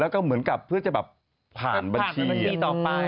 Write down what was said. แล้วก็เหมือนกับเพื่อจะแบบผ่านบัญชีต่อไป